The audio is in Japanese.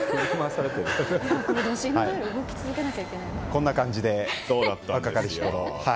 こんな感じで若かりしころ。